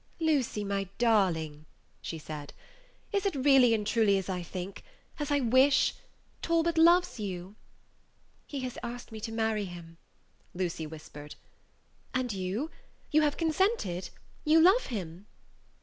"Lucy, my darling," she said, "is it really and truly as I think as I wish Talbot loves you?" "He has asked me to marry him," Lucy whispered. "And you you have consented you love him?"